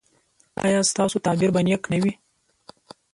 ایا ستاسو تعبیر به نیک نه وي؟